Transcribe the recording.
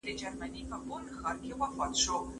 اوښ 🐫